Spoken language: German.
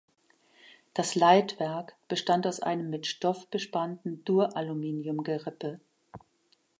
Das Leitwerk bestand aus einem mit Stoff bespannten Duraluminium-Gerippe.